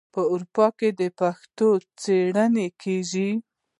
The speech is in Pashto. په اروپا کې د پښتو څیړنې کیږي.